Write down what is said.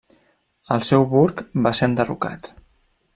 El seu burg va ser enderrocat.